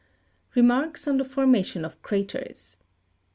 Remarks on the formation of craters.